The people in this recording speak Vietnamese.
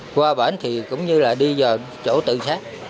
qua bến thì cũng như là đi vào chỗ tự xác